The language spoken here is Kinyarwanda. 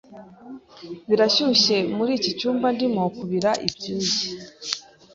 Birashyushye muri iki cyumba ndimo kubira ibyuya.